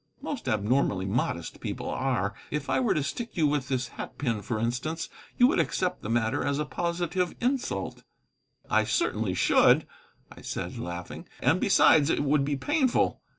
"Most abnormally modest people are. If I were to stick you with this hat pin, for instance, you would accept the matter as a positive insult." "I certainly should," I said, laughing; "and, besides, it would be painful."